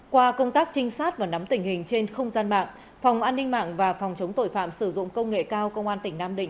qua công tác trinh sát và nắm tình hình trên không gian mạng phòng an ninh mạng và phòng chống tội phạm sử dụng công nghệ cao công an tỉnh nam định